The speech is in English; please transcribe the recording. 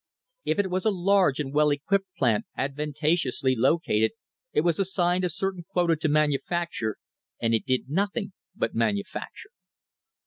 If it was a large and well equipped plant advantageously located it was assigned a certain quota to manufacture, and it did nothing but manufacture.